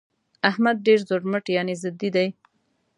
احمد ډېر زورمټ يانې ضدي دى.